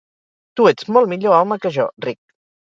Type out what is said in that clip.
Tu ets molt millor home que jo, Rick.